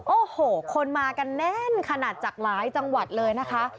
โอ้โหคนมากันแน่นขนาดจากหลายจังหวัดเลยนะคะ